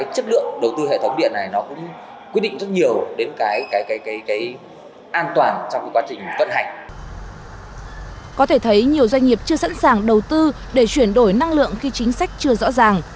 có thể thấy nhiều doanh nghiệp chưa sẵn sàng đầu tư để chuyển đổi năng lượng khi chính sách chưa rõ ràng